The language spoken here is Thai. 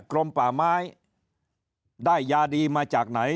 กรมป่าไม้ได้ยาดีมาจากไหน